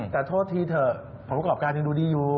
แต่โทษทีเถอะผลประกอบการยังดูดีอยู่